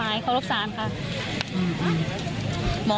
และมีความหวาดกลัวออกมา